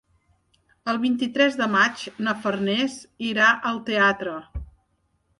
El vint-i-tres de maig na Farners irà al teatre.